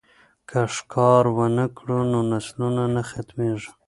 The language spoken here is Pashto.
که ښکار ونه کړو نو نسلونه نه ختمیږي.